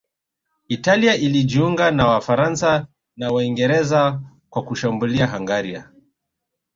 Italia ilijiunga na Wafaransa na Waingereza kwa kushambulia Hungaria